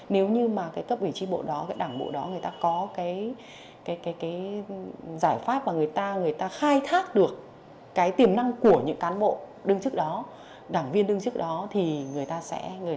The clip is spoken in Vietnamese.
nếu như mà cái cấp ủy tri bộ đó cái đảng bộ đó người ta có cái giải pháp và người ta khai thác được cái tiềm năng của những cán bộ đương chức đó đảng viên đương chức đó thì người ta sẽ vận động được